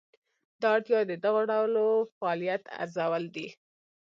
دا اړتیا د دغو ډلو فعالیت ارزول دي.